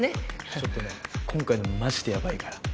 ちょっとね今回のマジでヤバいから。